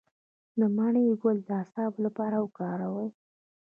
د مڼې ګل د اعصابو لپاره وکاروئ